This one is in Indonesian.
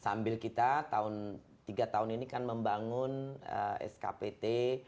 sambil kita tiga tahun ini kan membangun skpt